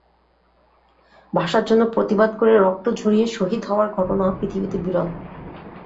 ভাষার জন্য প্রতিবাদ করে রক্ত ঝরিয়ে শহীদ হওয়ার ঘটনা পৃথিবীতে বিরল।